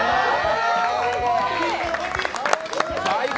最高！